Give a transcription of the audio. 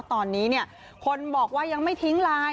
ตอนนี้คนบอกว่ายังไม่ทิ้งไลน์